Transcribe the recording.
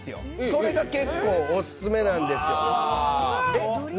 それが結構オススメなんですよ。